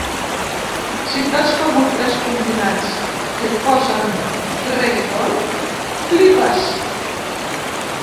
Si t’has begut tres combinats i et posen reggaeton, flipes!